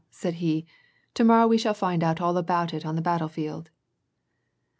" said he, " to morrow we shall find out all about it on the battle field